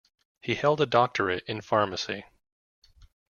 He held a doctorate in pharmacy.